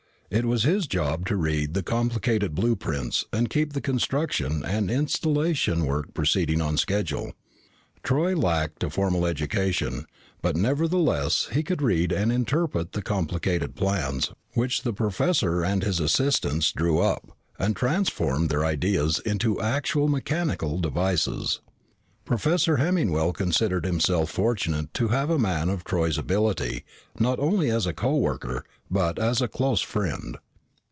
It was his job to read the complicated blueprints and keep the construction and installation work proceeding on schedule. Troy lacked a formal education, but nevertheless he could read and interpret the complicated plans which the professor and his assistants drew up, and transform their ideas into actual mechanical devices. Professor Hemmingwell considered himself fortunate to have a man of Troy's ability not only as a co worker, but as a close friend.